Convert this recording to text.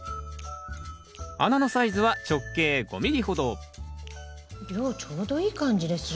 穴のサイズは直径５ｍｍほど量ちょうどいい感じですね。